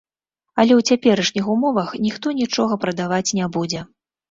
Але ў цяперашніх умовах ніхто нічога прадаваць не будзе.